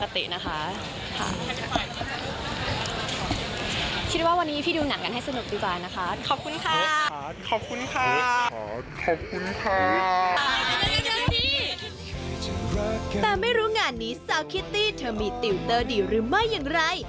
แต่ไม่รู้งานนี้สาวคิตตี้เธอมีติวเตอร์ดีหรือไม่อย่างไร